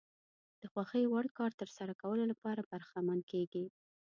د خوښې وړ کار ترسره کولو لپاره برخمن کېږي.